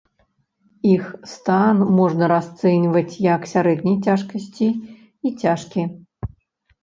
Іх стан можна расцэньваць як сярэдняй цяжкасці і цяжкі.